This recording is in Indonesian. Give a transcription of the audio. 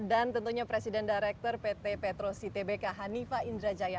dan tentunya presiden direktur pt petro ctbk hanifah indrajaya